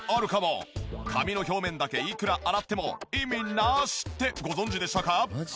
髪の表面だけいくら洗っても意味なしってご存じでしたか？